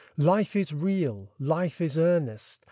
Life is real ! Life is earnest